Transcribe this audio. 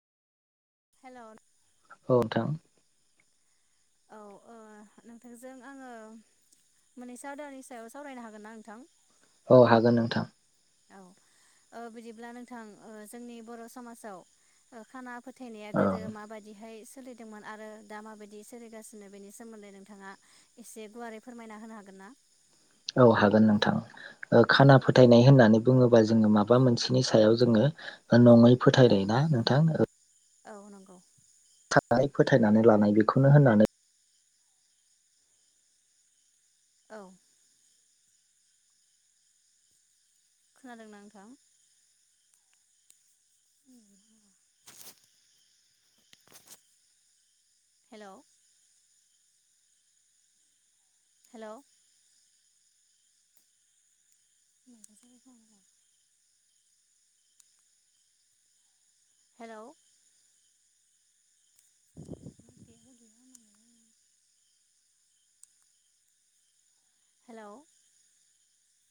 हेल' औ नोंथां औ औ नोंथांजों आङो मोननैसो आवदानि सायाव सावरायनो हागोन ना नोंथां? औ हागोन नोंथां। औ ओ बिदिब्ला नोंथां ओ जोंनि बर' समाजाव ओ खाना फोथायनाया औ गोदो माबादिहाय सोलिदोंमोन आरो दा माबायदि सोलिगासिनो बेनि सोमोन्दै नोंथाङा एसे गुवारै फोरमायना होनो हागोन ना? औ हागोन नोंथां। ओ औ खाना फोथायनाय होननानै बुङोब्ला जोंङो माबा मोनसेनि सायाव जोंङो नङै औ फोथायनाय ना नोंथां औ नंगौ [unintelligible] फोथायनानै लानाय बेखौनो होननानै औ। खोनादोंना नोंथां? हेल' हेल' [inaudible] हेल' [inaudible] हेल'